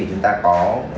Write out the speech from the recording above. thì chúng ta có